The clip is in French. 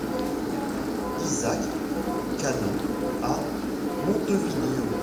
Isaac Ganón à Montevideo.